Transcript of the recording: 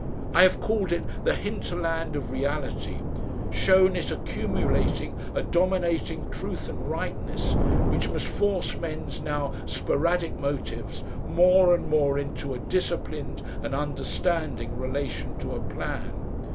I have called it the hinterland of reality, shown it accumulating a dominating truth and rightness which must force men's now sporadic motives more and more into a disciplined and understanding relation to a plan.